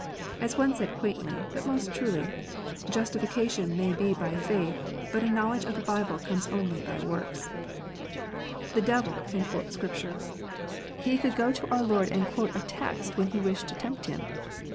As one said quaintly, but most truly, " Justification may be by faith, but a knowledge of the Bible comes only by works." The devil can quote Scripture. 60 KNOTS UNTIED. He could go to our Lord and quote a text when he wished to tempt Him.